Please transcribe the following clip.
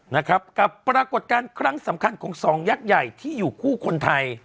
นะครับกับปรากฏการณ์ครั้งสำคัญของสองยักษ์ใหญ่ที่อยู่คู่คนไทย